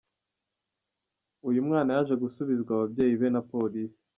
Uyu mwana yaje gusubizwa ababyeyi be na Polisi.